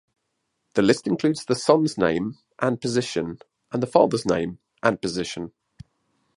The list includes the son's name and position and the father's name and position.